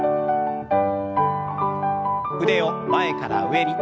腕を前から上に。